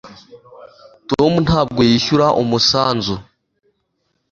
tom ntabwo yishyura umusanzu